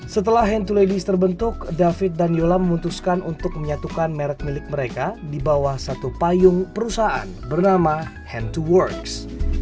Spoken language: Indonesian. setelah hentuladies terbentuk david dan yola memutuskan untuk menyatukan merek milik mereka di bawah satu payung perusahaan bernama hentuworks